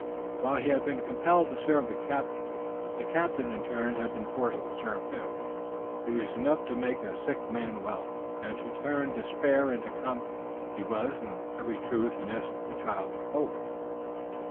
While he had been compelled to serve the captain, the captain in turn had been forced to serve him. It was enough to make a sick man well, and to turn despair into confidence. He was in very truth and essence the child of hope.